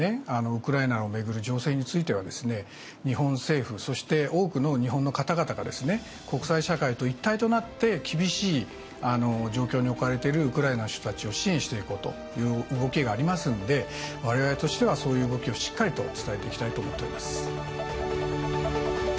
ウクライナを巡る情勢についてはですね日本政府そして多くの日本の方々がですね国際社会と一体となって厳しい状況に置かれてるウクライナの人たちを支援していこうという動きがありますので我々としてはそういう動きをしっかりと伝えていきたいと思っております。